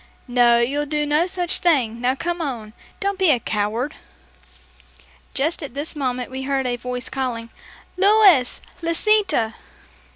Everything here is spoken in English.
"No, you'll do no such thing! Now, come on; don't be a coward!" Just at this moment we heard a voice calling, "Louis! Lisita!"